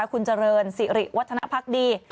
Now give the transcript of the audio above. คุณเจริญสิริวัฒนภักดี